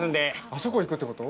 あそこに行くってこと？